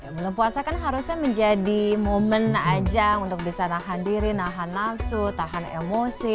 belum puasa kan harusnya menjadi momen aja untuk bisa nahan diri nahan nafsu tahan emosi